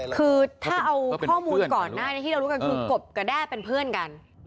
คือถ้าเอาข้อมูลก่อนหน้านี้ที่เรารู้กันคือกบกับแด้เป็นเพื่อนกัน